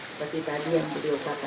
seperti tadi yang videokan